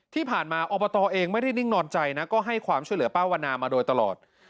ที่ผ่านมาอบตเองไม่ได้นิ่งนอนใจนะก็ให้ความช่วยเหลือป้าวันนามาโดยตลอด